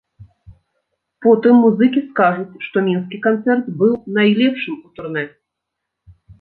Потым музыкі скажуць, што мінскі канцэрт быў найлепшым у турнэ.